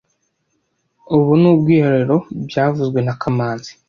Ubu ni ubwiherero byavuzwe na kamanzi